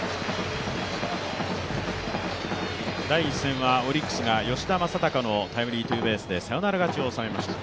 第１戦はオリックスが吉田正尚のタイムリーツーベースでサヨナラ勝ちをおさめました。